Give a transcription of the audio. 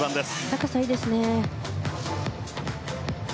高さ、いいですね。